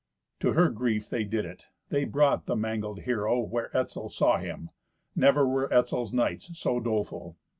To her grief they did it. They brought the mangled hero where Etzel saw him. Never were Etzel's knights so doleful.